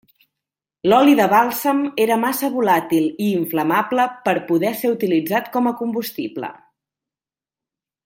L'oli de bàlsam era massa volàtil i inflamable per poder ser utilitzat com a combustible.